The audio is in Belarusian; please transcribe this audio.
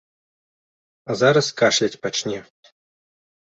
А зараз кашляць пачне.